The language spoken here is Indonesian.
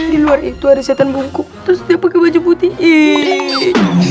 di luar itu ada setan bungkuk terus dia pakai baju putih